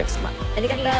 ありがとう。